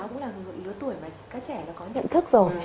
cũng là lựa tuổi mà các trẻ có nhận thức rồi